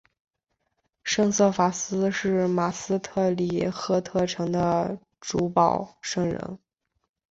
圣瑟法斯是马斯特里赫特城的主保圣人。